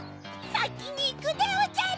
さきにいくでおじゃる。